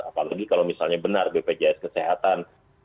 apalagi kalau misalnya benar bpjs kesehatan